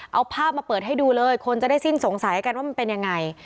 เอาภาพมาเปิดให้ดูเลยคนจะได้สิ้นสงสัยกันว่ามันเป็นยังไง